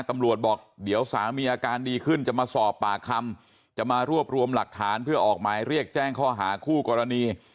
ตำรวจบอกเดี๋ยวสามีอาการดีขึ้นจะมาสอบปากคำจะมารวบรวมหลักฐานเพื่อออกหมายเรียกแจ้งข้อหาคู่กรณี